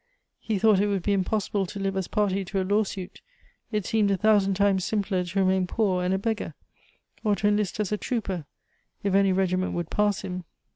He thought it would be impossible to live as party to a lawsuit; it seemed a thousand times simpler to remain poor and a beggar, or to enlist as a trooper if any regiment would pass him.